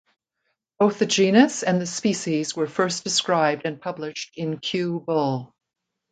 Both the genus and the species were first described and published in Kew Bull.